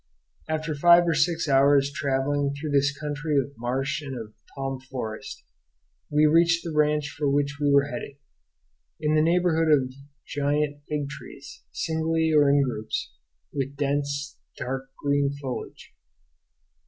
After five or six hours' travelling through this country of marsh and of palm forest we reached the ranch for which we were heading. In the neighborhood stood giant fig trees, singly or in groups, with dense, dark green foliage.